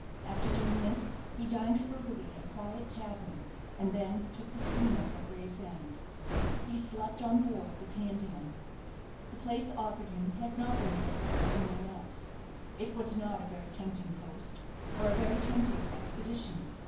After doing this, he dined frugally at a quiet tavern, and then took the steamer for Gravesend. He slept on board the "Pandion." The place offered him had not been filled by any one else. It was not a very tempting post, or a very tempting expedition.